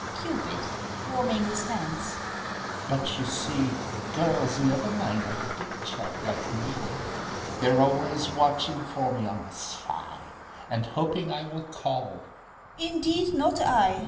CUPID (warming his hands) But, you see, Girls never mind a little chap like me. They're always watching for me on the sly, And hoping I will call. MAID (haughtily) Indeed, not I!